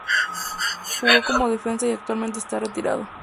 Jugó como defensa y actualmente está retirado.